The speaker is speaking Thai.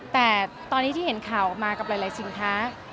แต่ตอนนี้ที่เห็นข่าวออกมากับหลายสินค้า